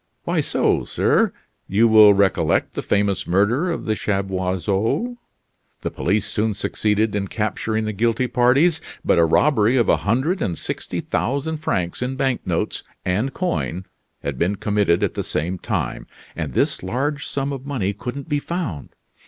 "Why so, sir? You will recollect the famous murder of the Chaboiseaus. The police soon succeeded in capturing the guilty parties; but a robbery of a hundred and sixty thousand francs in bank notes and coin had been committed at the same time, and this large sum of money couldn't be found.